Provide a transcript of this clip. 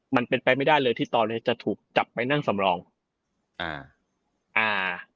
มันเป็นไปไม่ได้เลยที่ตอนเนี้ยจะถูกจับไปนั่งสำรองอ่าอ่าอ่า